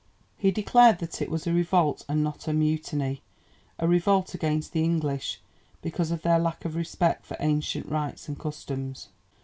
He declared that it was a revolt and not a mutiny; a revolt against the English because of their lack of respect for ancient rights and customs.